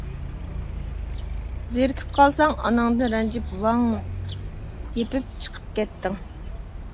زېرىكىپ قالساڭ ئاناڭدىن رەنجىپ «ۋاڭ! » يېپىپ چىقىپ كەتتىڭ.